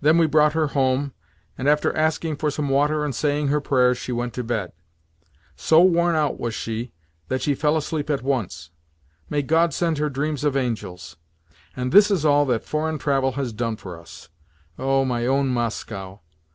Then we brought her home, and, after asking for some water and saying her prayers, she went to bed. So worn out was she that she fell asleep at once. May God send her dreams of angels! And this is all that foreign travel has done for us! Oh, my own Moscow!